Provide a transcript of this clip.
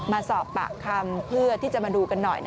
มาสอบปากคำเพื่อที่จะมาดูกันหน่อย